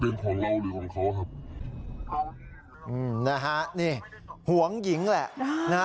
นะฮะห่วงหญิงแหละ